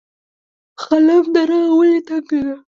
خلم دره ولې تنګه ده؟